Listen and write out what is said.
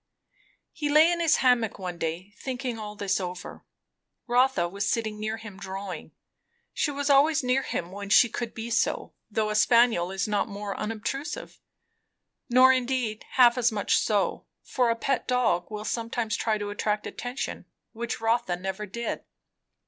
He lay in his hammock one day, thinking all this over. Rotha was sitting near him drawing. She was always near him when she could be so, though a spaniel is not more unobtrusive. Nor indeed half as much so; for a pet dog will sometimes try to attract attention, which Rotha never did.